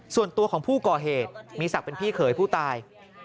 ส่วนตัวของผู้ก่อเหตุมีศักดิ์เป็นพี่เขยผู้ตาย